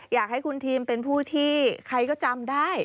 อยากให้คุณทีมเป็นผู้ที่ใครก็จำได้